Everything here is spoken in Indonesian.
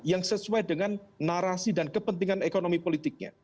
yang sesuai dengan narasi dan kepentingan ekonomi politiknya